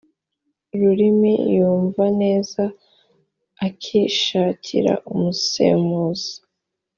rurimi yumva neza akishakira umusemuzi